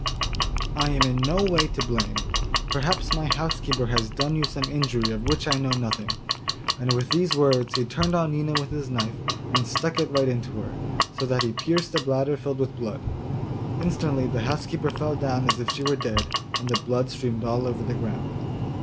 I am in no way to blame; perhaps my housekeeper has done you some injury of which I know nothing.' And with these words, he turned on Nina with his knife, and stuck it right into her, so that he pierced the bladder filled with blood. Instantly the housekeeper fell down as if she were dead, and the blood streamed all over the ground.